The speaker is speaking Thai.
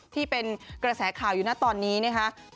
ที่เป็นกระแสข่าวอยู่นะตอนนี้นะคะ